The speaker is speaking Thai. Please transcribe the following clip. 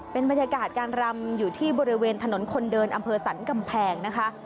เป็นบรรยากาศการรำอยู่ที่บริเวณถนนคนเดินอำเภอสรรกำแพงนะคะ